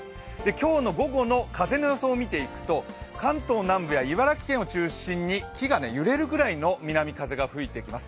今日の午後の風の予想を見ていくと関東南部や茨城を中心に木が揺れるくらいの南風が吹いてきます。